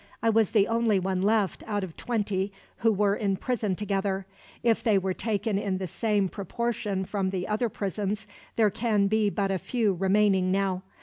"I was the only one left, out of twenty who were in prison together. If they were taken in the same proportion from the other prisons, there can be but a few remaining now.